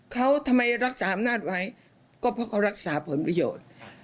เขาทำไมรักษาอำนาจไว้ก็เพราะเขารักษาผลประโยชน์